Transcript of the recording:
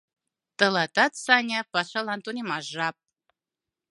Тылатат, Саня, пашалан тунемаш жап.